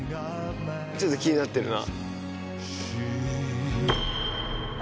ちょっと気になってるな。